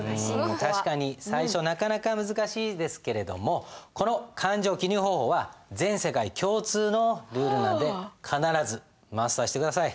確かに最初なかなか難しいですけれどもこの勘定記入方法は全世界共通のルールなんで必ずマスターして下さい。